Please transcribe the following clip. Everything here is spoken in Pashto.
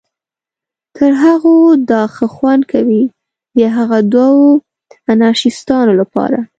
تر هغو دا ښه خوند کوي، د هغه دوو انارشیستانو لپاره.